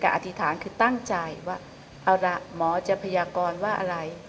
แต่อธิษฐานคือตั้งใจว่าเอาล่ะหมอจะพยากรว่าอะไร